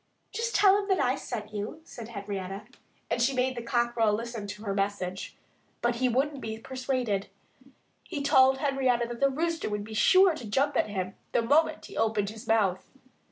"Just tell him that I sent you," said Henrietta. And she made the cockerel listen to her message. But he wouldn't be persuaded. He told Henrietta that the Rooster would be sure to jump at him the moment he opened his mouth.